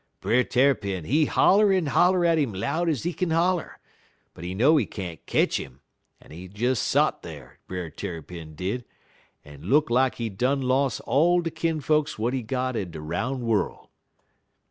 Brer Tarrypin, he holler en holler at 'im des loud ez he kin holler, but he know he can't ketch 'im, en he des sot dar, Brer Tarrypin did, en look lak he done los' all de kin folks w'at he got in de roun' worrul'.